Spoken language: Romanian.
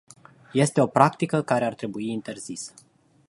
Este o practică care ar trebui interzisă.